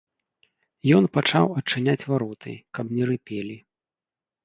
Ён пачаў адчыняць вароты, каб не рыпелі.